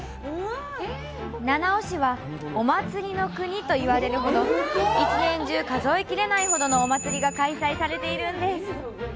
七尾市は、お祭りの国といわれるほど１年中数えきれないほどのお祭りが開催されているんです。